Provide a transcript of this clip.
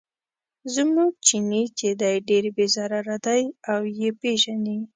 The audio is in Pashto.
زموږ چیني چې دی ډېر بې ضرره دی او یې پیژني.